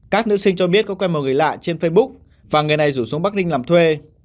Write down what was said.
các nữ sinh cho biết có quen một người lạ trên facebook và người này rủ xuống bắc ninh làm thuê